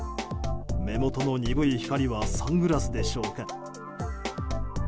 目元の鈍い光はサングラスでしょうか。